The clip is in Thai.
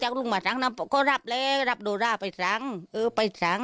คนเก๋ก็ร้านให้ฟังกัน